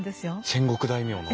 戦国大名の？